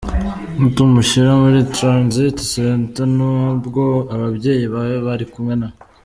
Nitumushyira muri transit center na bwo ababyeyi babe bari kumwe nawe.